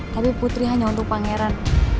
tapi putri hanya untuk pangeran